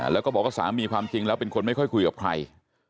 แล้วก็บอกว่าสามีความจริงแล้วเป็นคนไม่ค่อยคุยกับใคร